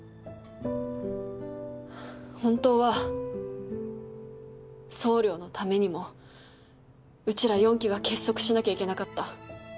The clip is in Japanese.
本当は総領のためにもうちら四鬼が結束しなきゃいけなかった。